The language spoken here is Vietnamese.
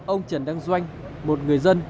ông trần đăng doanh một người dân